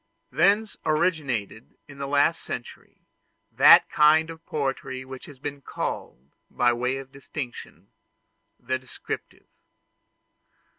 Thence originated in the last century, that kind of poetry which has been called, by way of distinction, the descriptive.